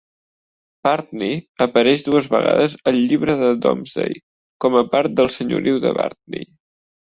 Partney apareix dues vegades al "Llibre del Domesday", com a part del senyoriu de Bardney.